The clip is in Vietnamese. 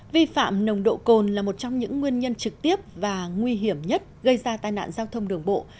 vi phạm nồng độ cồn là một trong những nguyên nhân trực tiếp và nguy hiểm nhất gây ra tai nạn giao thông đường bộ